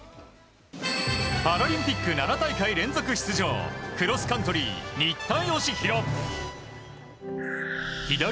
パラリンピック７大会連続出場クロスカントリー、新田佳浩。